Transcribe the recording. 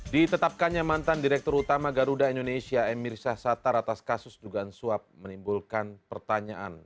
ditetapkannya mantan direktur utama garuda indonesia emir syahsatar atas kasus dugaan suap menimbulkan pertanyaan